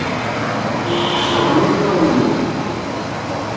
Sefḍem imeṭṭawen-nwen.